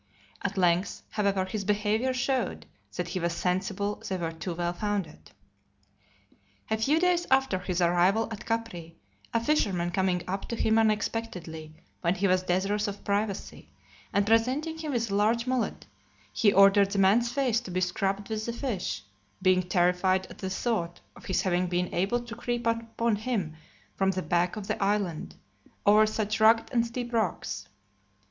At length, however, his behaviour showed that he was sensible they were too well founded. (229) LX. A few days after his arrival at Capri, a fisherman coming up to him unexpectedly, when he was desirous of privacy, and presenting him with a large mullet, he ordered the man's face to be scrubbed with the fish; being terrified at the thought of his having been able to creep upon him from the back of the island, over such rugged and steep rocks.